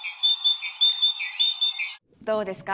どうですか？